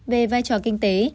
về vai trò kinh tế